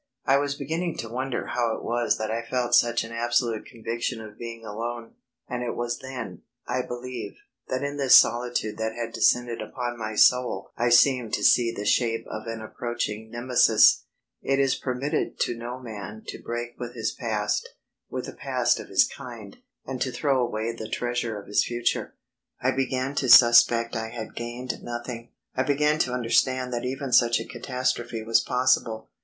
I was beginning to wonder how it was that I felt such an absolute conviction of being alone, and it was then, I believe, that in this solitude that had descended upon my soul I seemed to see the shape of an approaching Nemesis. It is permitted to no man to break with his past, with the past of his kind, and to throw away the treasure of his future. I began to suspect I had gained nothing; I began to understand that even such a catastrophe was possible.